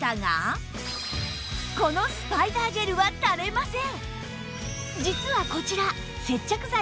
このスパイダージェルはたれません！